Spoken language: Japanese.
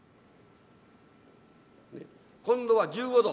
今度は１５度。